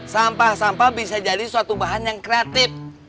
sampah sampah bisa jadi suatu bahan yang kreatif